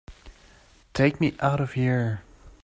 Take me out of here!